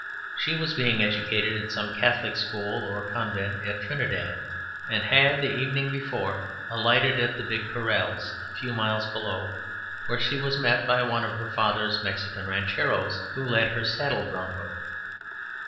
She was being educated in some Catholic school or convent at Trinidad, and had the evening before alighted at the big corrals, a few miles below, where she was met by one of her father's Mexican rancheros, who led her saddle broncho.